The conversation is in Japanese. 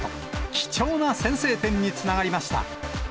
貴重な先制点につながりました。